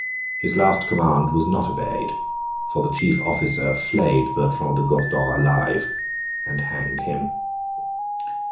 His last command was not obeyed; for the chief officer flayed Bertrand de Gourdon alive, and hanged him.